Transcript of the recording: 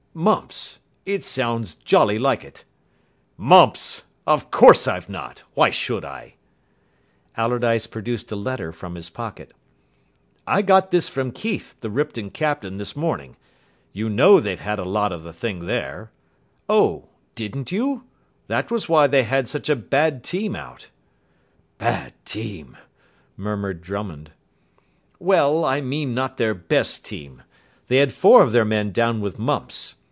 "Mumps. It sounds jolly like it." "Mumps! Of course I've not. Why should I?" Allardyce produced a letter from his pocket. "I got this from Keith, the Ripton captain, this morning. You know they've had a lot of the thing there. Oh, didn't you? That was why they had such a bad team out." "Bad team!" murmured Drummond. "Well, I mean not their best team. They had four of their men down with mumps.